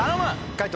解答